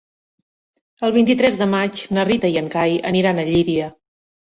El vint-i-tres de maig na Rita i en Cai aniran a Llíria.